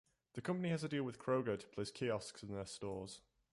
The company has a deal with Kroger to place kiosks in their stores.